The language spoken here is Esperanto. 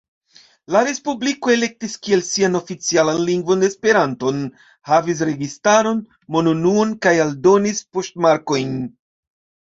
La ”respubliko” elektis kiel sian oficialan lingvon Esperanton, havis registaron, monunuon kaj eldonis poŝtmarkojn.